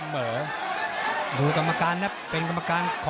นรินทร์ธรรมีรันดร์อำนาจสายฉลาด